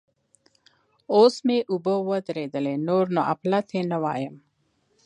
اوس مې اوبه ودرېدلې؛ نور نو اپلاتي نه وایم.